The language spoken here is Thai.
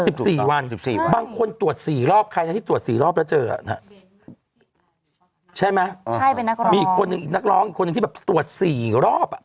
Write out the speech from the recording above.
สิบสี่วันสิบสี่วันบางคนตรวจสี่รอบใครนะที่ตรวจสี่รอบแล้วเจออ่ะนะใช่ไหมใช่เป็นนักร้องมีอีกคนหนึ่งอีกนักร้องอีกคนหนึ่งที่แบบตรวจสี่รอบอ่ะ